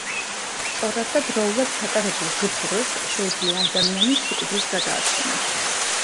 სწორად და დროულად ჩატარებულ გფრ-ს შეუძლია ადამიანი სიკვდილს გადაარჩინოს.